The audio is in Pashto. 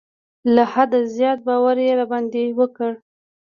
له حده زیات باور یې را باندې وکړ.